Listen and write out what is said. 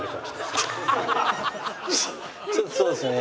ちょっとそうですね。